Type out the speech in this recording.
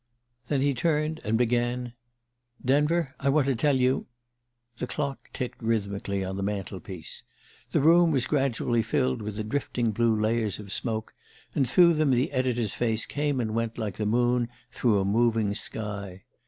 Then he turned, and began: "Denver, I want to tell you " The clock ticked rhythmically on the mantel piece. The room was gradually filled with drifting blue layers of smoke, and through them the editor's face came and went like the moon through a moving sky.